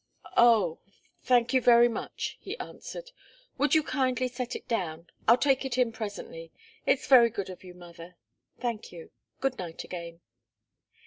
"Oh thank you, very much," he answered. "Would you kindly set it down? I'll take it in presently. It's very good of you, mother thank you good night again."